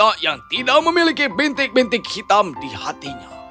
wanita yang tidak memiliki bentik bentik hitam di hatinya